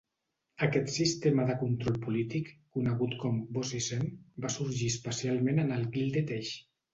Aquest sistema de control polític, conegut com "bossism", va sorgir especialment en el Gilded Age.